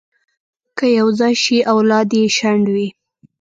که یو ځای شي، اولاد یې شنډ وي.